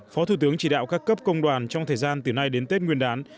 phó thủ tướng chỉ đạo các cấp công đoàn trong thời gian từ nay đến tết nguyên đán